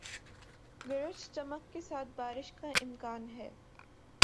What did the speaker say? گرج چمک کے ساتھ بارش کا امکان ہے